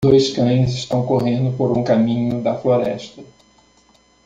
Dois cães estão correndo por um caminho da floresta.